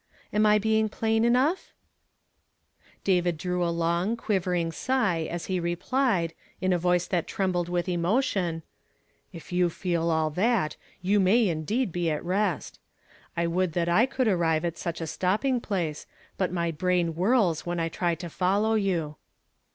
Am 1 being plain enough ?" David drew a long, quivering sigh as he replied, in a voice tliat trembled with emotion: —" If you feel all that, you may indeed be at rest. I would that I could arrive at such a stop l)ing phice, but my brain whirls when I try to follow you."